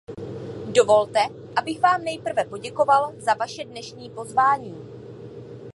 Dovolte, abych vám nejprve poděkoval za vaše dnešní pozvání.